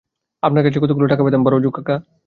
আপনার কাছে কতগুলো টাকা পেতাম বাড়ুজোকাকা।